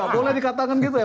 boleh dikatakan gitu ya